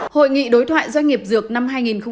hội nghị đối thoại doanh nghiệp dược năm hai nghìn hai mươi